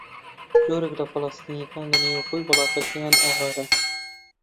زۆرێک لە فەلەستینییەکان لە نێوخۆی وڵاتەکەیان ئاوارەن.